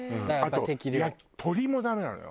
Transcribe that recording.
あと鶏もダメなのよ。